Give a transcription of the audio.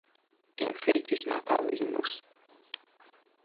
Enfeites natalinos